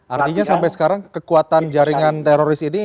artinya sampai sekarang kekuatan jaringan teroris ini